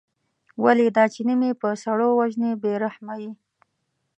ولې دا چینی په سړو وژنې بې رحمه یې.